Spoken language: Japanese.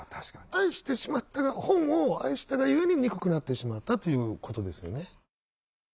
愛してしまった本を愛したがゆえに憎くなってしまったということですよね。